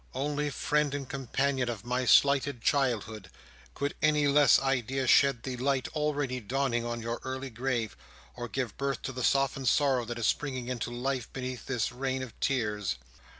Only friend and companion of my slighted childhood! Could any less idea shed the light already dawning on your early grave, or give birth to the softened sorrow that is springing into life beneath this rain of tears!"